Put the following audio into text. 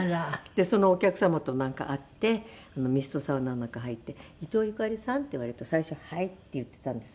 でそのお客様となんか会ってミストサウナの中入って「伊東ゆかりさん？」って言われて最初「はい」って言っていたんですけど。